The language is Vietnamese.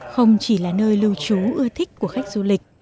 không chỉ là nơi lưu trú ưa thích của khách du lịch